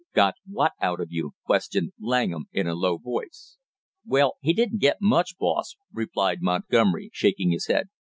"Got what out of you?" questioned Langham in a low voice. "Well, he didn't get much, boss," replied Montgomery, shaking his head.